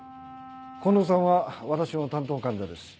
近藤さんは私の担当患者です。